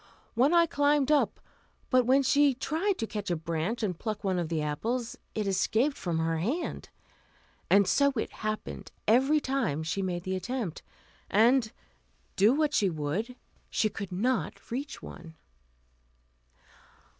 One Eye climbed up, but when she tried to catch a branch and pluck one of the apples, it escaped from her hand, and so it happened every time she made the attempt, and, do what she would, she could not reach one.